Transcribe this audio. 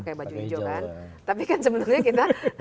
kayak baju hijau kan tapi kan sebenarnya kita